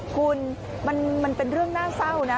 คุณมันเป็นเรื่องน่าเศร้านะ